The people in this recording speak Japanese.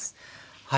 はい。